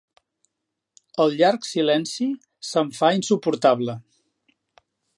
El llarg silenci se'm fa insuportable.